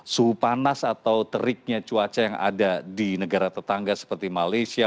suhu panas atau teriknya cuaca yang ada di negara tetangga seperti malaysia